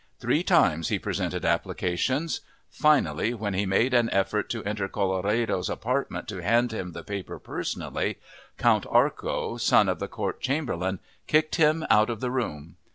Three times he presented applications. Finally, when he made an effort to enter Colloredo's apartment to hand him the paper personally, Count Arco, son of the court chamberlain, kicked him out of the room.